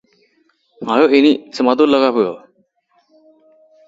The list also includes people who identify as Zazas and Yazidis.